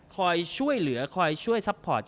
คอยช่วยเหลือคอยช่วยซัพพอร์ต